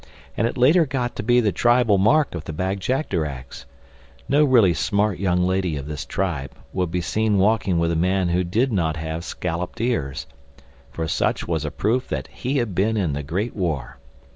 And it later got to be the tribal mark of the Bag jagderags. No really smart young lady of this tribe would be seen walking with a man who did not have scalloped ears—for such was a proof that he had been in the Great War.